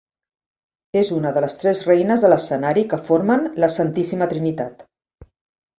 És una de les tres reines de l'escenari que formen la "santíssima trinitat".